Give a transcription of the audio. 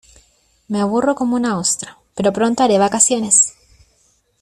Me aburro como una ostra, pero pronto haré vacaciones.